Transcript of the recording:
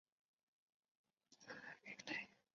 双带天竺鲷为天竺鲷科天竺鲷属的鱼类。